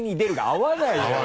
合わない。